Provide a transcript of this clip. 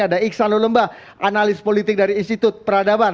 ada iksan lulumba analis politik dari institut peradaban